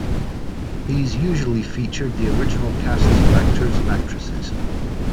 These usually featured the original casts of actors and actresses.